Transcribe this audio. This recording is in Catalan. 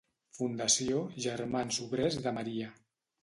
Fundació Germans Obrers de Maria.